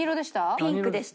ピンクでした。